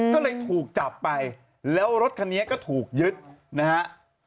ก็เลยถูกจับไปแล้วรถคันนี้ก็ถูกยึดนะฮะ